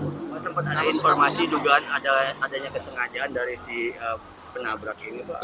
mas sempat ada informasi juga adanya kesengajaan dari si penabrak ini